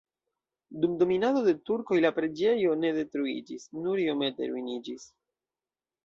Dum dominado de turkoj la preĝejo ne detruiĝis, nur iomete ruiniĝis.